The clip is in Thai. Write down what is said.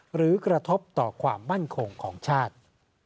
หรือกระทบต่อความมั่นคงของชาติ